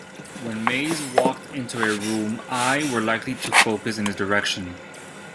When Mays walked into a room eye were likely to focus in his direction.